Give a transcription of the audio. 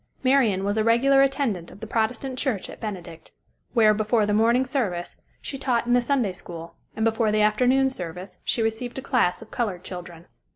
Marian was a regular attendant of the Protestant church at Benedict, where, before the morning service, she taught in the Sunday school, and before the afternoon service she received a class of colored children.